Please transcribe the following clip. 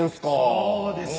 そうですよ！